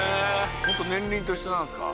年輪と一緒なんですか？